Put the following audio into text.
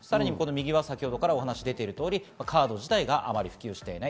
右は先ほどからお話に出ている通り、カード自体があまり普及していない。